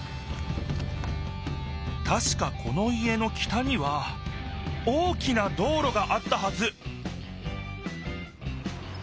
たしかこの家の北には大きな道ろがあったはず！